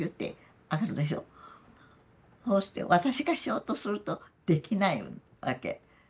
そうして私がしようとするとできないわけ。